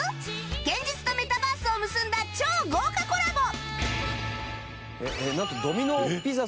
現実とメタバースを結んだ超豪華コラボ！